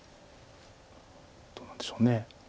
どうなんでしょう。